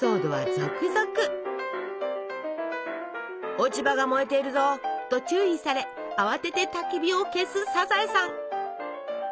「落ち葉が燃えているぞ！」と注意され慌ててたき火を消すサザエさん。